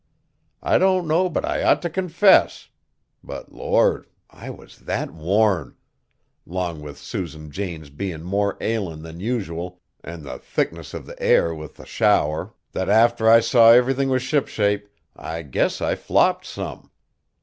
I don't know but I ought t' confess. But Lord! I was that worn, 'long with Susan Jane's bein' more ailin' than usual, an' the thickness of the air with the shower, that arter I saw everythin' was shipshape, I guess I flopped some.